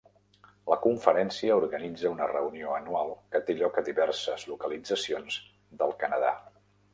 La Conferència organitza una reunió anual que té lloc a diverses localitzacions del Canadà.